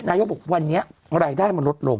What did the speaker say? นายกบอกวันนี้รายได้มันลดลง